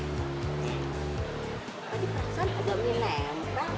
tadi perasan agak mie lempah